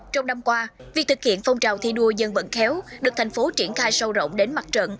trong năm qua việc thực hiện phong trào thi đua dân vận khéo được thành phố triển khai sâu rộng đến mặt trận